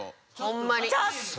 ホンマに。